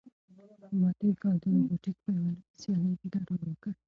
ما تېر کال د روبوټیک په یوه لویه سیالۍ کې ګډون وکړ.